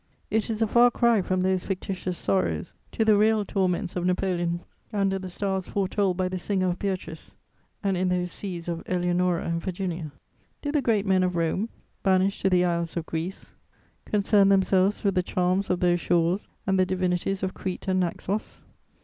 It is a far cry from those fictitious sorrows to the real torments of Napoleon under the stars foretold by the singer of Beatrice and in those seas of Eleonora and Virginia. Did the great men of Rome, banished to the isles of Greece, concern themselves with the charms of those shores and the divinities of Crete and Naxos?